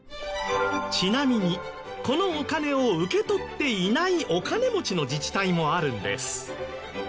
ちなみにこのお金を受け取っていないお金持ちの自治体もあるんです。